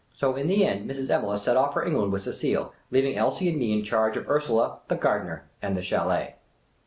So in the end Mrs. Evelegh set off for England with Cecile, leaving Elsie and me in charge of Ursula, the gardener, and the chdlct.